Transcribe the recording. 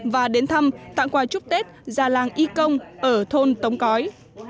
và đến thăm tặng quà chúc tết già làng y công ở thôn tống cói